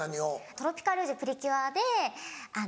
『トロピカルジュ！プリキュア』であの。